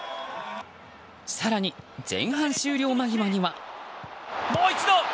更に前半終了間際には。もう一度！